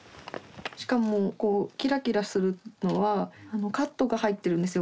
しかもキラキラするのはカットが入ってるんですよ